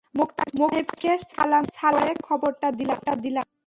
মোক্তার সাহেবকে সালাম করে খবরটা দিলাম।